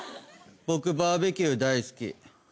僕バーベキュー大好き。